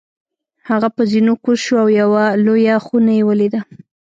هغه په زینو کوز شو او یوه لویه خونه یې ولیده.